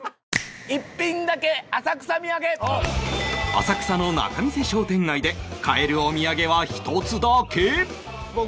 浅草の仲見世商店街で買えるお土産は１つだけ